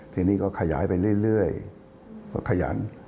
ทีนี้ก็ขยายไปเรื่อยก็ขยัน